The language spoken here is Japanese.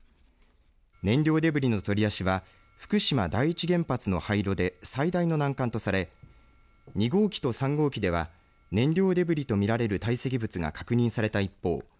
燃料デブリの取り出しは福島第一原発の廃炉で最大の難関とされ２号機と３号機では燃料デブリとみられる堆積物が確認された一方